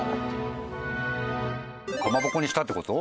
かまぼこにしたって事？